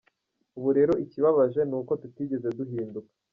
Ubu rero ikibabaje ni uko tutigeze duhinduka.